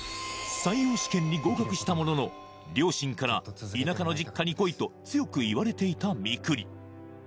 採用試験に合格したものの両親から田舎の実家にこいと強く言われていたみくり